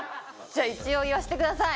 一応言わしてください。